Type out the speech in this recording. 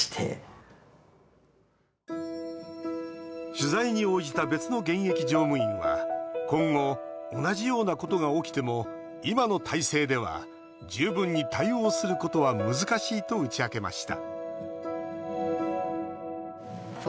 取材に応じた別の現役乗務員は今後、同じようなことが起きても今の体制では十分に対応することは難しいと打ち明けました